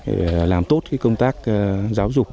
để làm tốt công tác giáo dục